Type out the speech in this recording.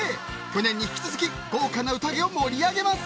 去年に引き続き豪華な宴を盛り上げます。